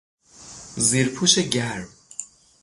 زیر پوش گرم